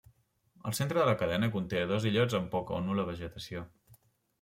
El centre de la cadena conté dos illots amb poca o nul·la vegetació.